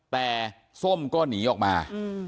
แต่ส้มก็หนีออกมา